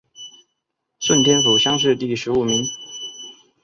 顺天府乡试第十五名。